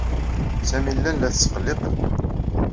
Sami llan la t-ttqelliqen.